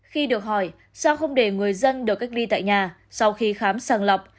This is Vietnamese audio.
khi được hỏi sao không để người dân được cách ly tại nhà sau khi khám sàng lọc